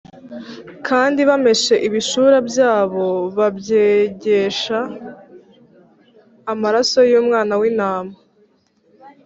kandi bameshe ibishura byabo babyejesha amaraso y’Umwana w’Intama.